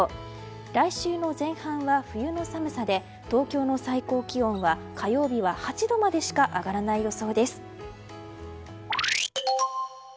来週の前半は冬の寒さで東京の最高気温は火曜日は８度までしか上がらない予想です。